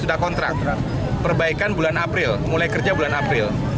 sudah kontrak perbaikan bulan april mulai kerja bulan april